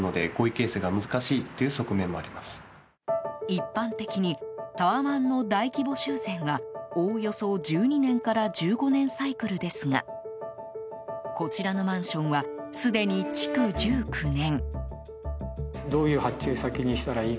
一般的にタワマンの大規模修繕はおよそ１２年から１５年サイクルですがこちらのマンションはすでに築１９年。